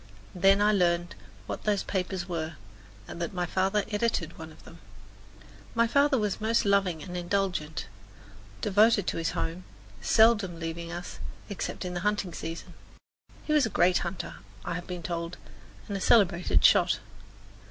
Then I learned what those papers were, and that my father edited one of them. My father was most loving and indulgent, devoted to his home, seldom leaving us, except in the hunting season. He was a great hunter, I have been told, and a celebrated shot.